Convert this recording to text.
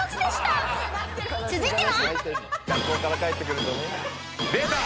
［続いては］